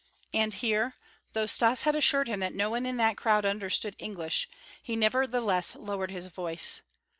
And here, though Stas had assured him that no one in that crowd understood English, he nevertheless lowered his voice.